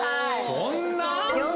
そんな？